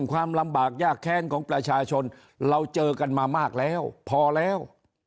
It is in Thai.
ความลำบากยากแค้นของประชาชนเราเจอกันมามากแล้วพอแล้ว